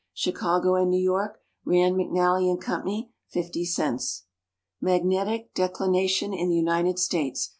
Chicago and New York : Rand, McNally & Co. 50 cents. Magnetic Declination in the United States.